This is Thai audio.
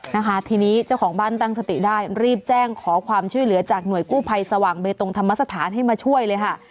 นะคะทีนี้เจ้าของบ้านตั้งสติได้รีบแจ้งขอความช่วยเหลือจากหน่วยกู้ภัยสว่างเบตงธรรมสถานให้มาช่วยเลยค่ะ